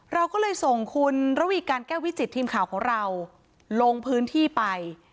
เราก็เลยส่งคุณระวีการแก้ววิจิตทีมข่าวของเราลงพื้นที่ไป